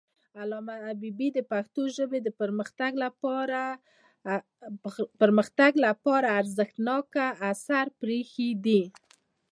علامه حبيبي د پښتو ژبې د پرمختګ لپاره ارزښتناک آثار پریښي دي.